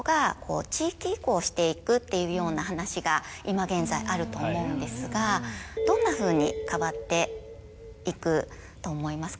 していくっていうような話が今現在あると思うんですがどんなふうに変わっていくと思いますか？